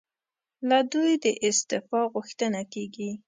له دوی د استعفی غوښتنه کېږي.